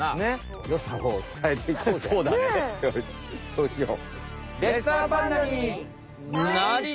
よしそうしよう。